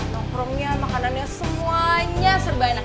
nongkrongnya makanannya semuanya serba enak